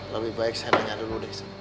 lebih baik saya dengar dulu des